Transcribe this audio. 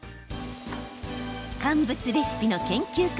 乾物レシピの研究家